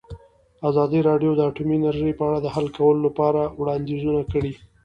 ازادي راډیو د اټومي انرژي په اړه د حل کولو لپاره وړاندیزونه کړي.